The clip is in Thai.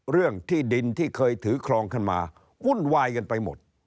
เรื่องที่ดินที่เคยถือครองขึ้นมาวุ่นวายกันไปหมด